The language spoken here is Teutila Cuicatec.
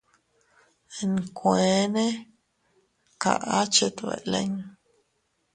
Nkueene kaʼa chet beʼe lin.